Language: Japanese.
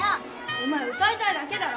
お前歌いたいだけだろ！